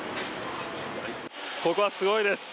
ここはすごいです。